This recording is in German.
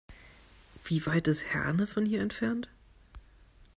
Wie weit ist Herne von hier entfernt?